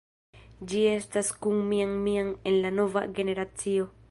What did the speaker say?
Ŝi estas kun Mian Mian en la "Nova generacio".